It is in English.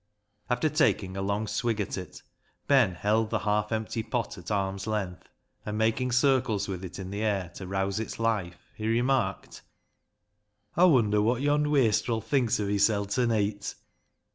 After taking a long swig at it, Ben held the half empty pot at arm's length, and making circles with it in the air to rouse its life, he remarked —" Aw wunder wot yond' wastril thinks of hissel' ta neet ?